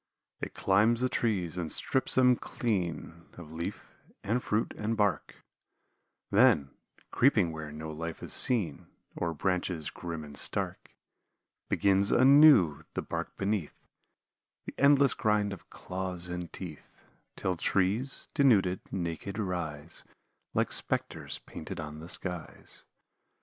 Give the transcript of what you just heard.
It climbs the trees and strips them clean Of leaf, and fruit, and bark; Then, creeping where no life is seen, O'er branches grim and stark, Begins anew, the bark beneath, The endless grind of claws and teeth, Till trees, denuded, naked rise Like spectres painted on the skies.